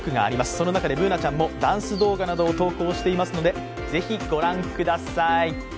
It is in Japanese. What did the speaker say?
その中でＢｏｏｎａちゃんもダンス動画などを投稿していますのでぜひご覧ください。